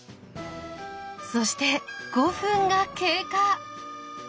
そして５分が経過。